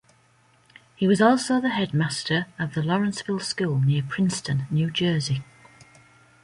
He was also the headmaster of The Lawrenceville School near Princeton, New Jersey.